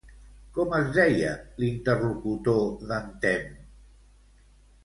Com es deia l'interlocutor d'en Temme?